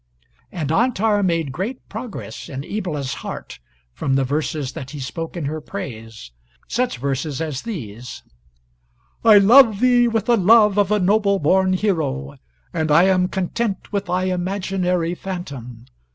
And Antar made great progress in Ibla's heart, from the verses that he spoke in her praise; such verses as these: ] _I love thee with the love of a noble born hero; and I am content with thy imaginary phantom.